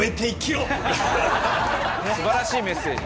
素晴らしいメッセージ。